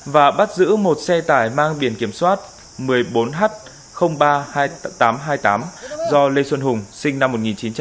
và bắt giữ một xe tải mang biển kiểm soát một mươi bốn h ba mươi hai nghìn tám trăm hai mươi tám do lê xuân hùng sinh năm một nghìn chín trăm chín mươi ba